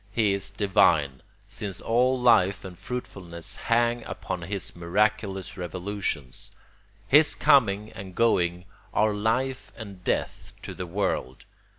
He is divine, since all life and fruitfulness hang upon his miraculous revolutions. His coming and going are life and death to the world.